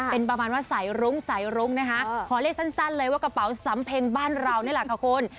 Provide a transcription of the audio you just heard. เป็นประมาณว่าสายรุ้งสายรุ้งนะคะขอเรียกสั้นเลยว่ากระเป๋าสำเพ็งบ้านเรานี่แหละค่ะคุณ